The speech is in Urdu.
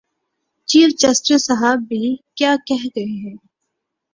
چیف جسٹس صاحب بھی کیا کہہ گئے ہیں؟